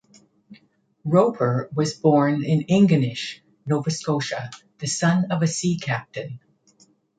Roper was born in Ingonish, Nova Scotia, the son of a sea captain.